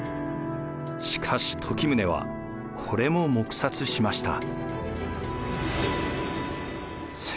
しかし時宗はこれも黙殺しました。